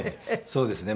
そうですね。